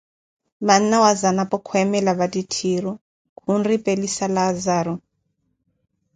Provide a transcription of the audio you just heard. manna wa Zanapo, kweemela vattitthiiru, khunripelisa Laazaru.